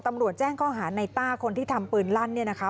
ตำรวจแจ้งข้อหาในต้าคนที่ทำปืนลั่นเนี่ยนะคะ